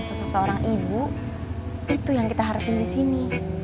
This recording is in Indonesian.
bukan hanya seseorang ibu itu yang kita harapin di sini